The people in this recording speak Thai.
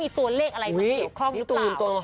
ฮุยตัวเรียนตัว